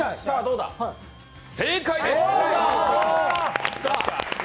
正解です！